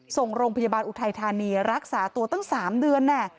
ส่งโรงพยาบาลอุทัยธานีรักษาตัวตั้ง๓เดือน